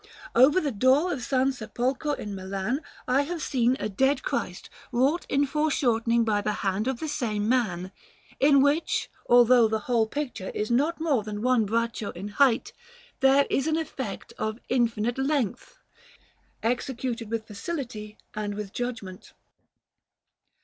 Over the door of S. Sepolcro in Milan I have seen a Dead Christ wrought in foreshortening by the hand of the same man, in which, although the whole picture is not more than one braccio in height, there is an effect of infinite length, executed with facility and with judgment.